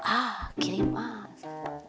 ah kirim ah